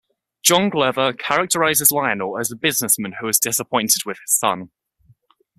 John Glover characterizes Lionel as a businessman who is disappointed with his son.